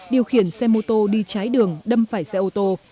điều khiển xe mô tô đi trái đường đâm phải xe ô tô